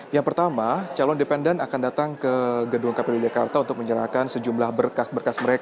yang pertama calon independen akan datang ke gedung kpu jakarta untuk menyerahkan sejumlah berkas berkas mereka